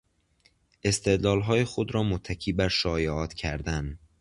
استدلالهای خود را متکی بر شایعات کردن